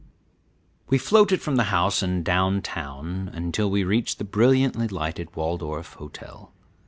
We floated from the house and down town, until we reached the brilliantly lighted Waldorf Hotel.